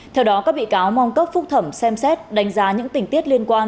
theo đó các bị cáo mong cấp phúc thẩm xem xét đánh giá những tình tiết liên quan